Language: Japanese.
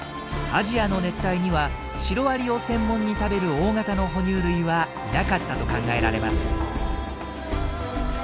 アジアの熱帯にはシロアリを専門に食べる大型の哺乳類はいなかったと考えられます。